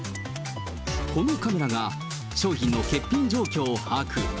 このカメラが商品の欠品状況を把握。